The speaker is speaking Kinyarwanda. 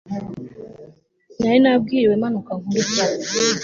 nari nanabwiriwemanuka nkurye